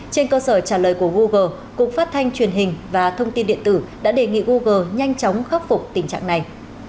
trên cơ sở trả lời của google cục phát thanh truyền hình và thông tin điện tử đã đề nghị google nhanh chóng khắc phục tình trạng này